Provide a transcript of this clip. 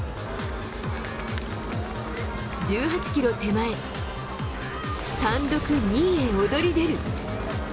１８キロ手前、単独２位へ躍り出る。